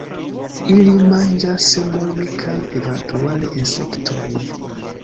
Ili manĝas semojn kaj eventuale insektojn.